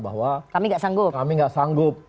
bahwa kami gak sanggup kami gak sanggup